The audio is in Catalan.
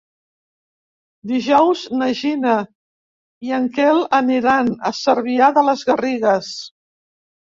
Dijous na Gina i en Quel aniran a Cervià de les Garrigues.